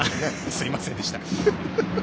すみませんでした。